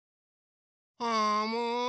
あもう！